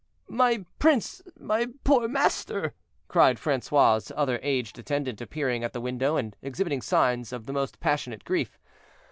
"My prince! my poor master!" cried Francois' other aged attendant, appearing at the window, and exhibiting signs of the most passionate grief.